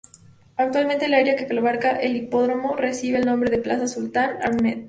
Actualmente, el área que abarca el hipódromo recibe el nombre de Plaza Sultán Ahmet.